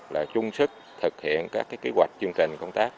là chung sức thực hiện các kế hoạch chương trình công tác